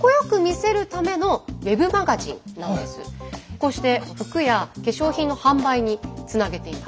こうして服や化粧品の販売につなげています。